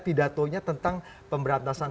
pidatonya tentang pemberantasan